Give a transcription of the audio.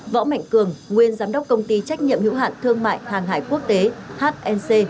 võ mạnh cường nguyên giám đốc công ty trách nhiệm hữu hạn thương mại hàng hải quốc tế hnc